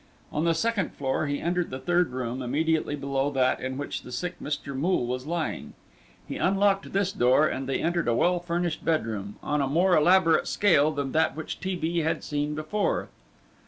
On the second floor he entered the third room, immediately below that in which the sick Mr. Moole was lying. He unlocked this door and they entered a well furnished bedroom; on a more elaborate scale than that which T. B. had seen before.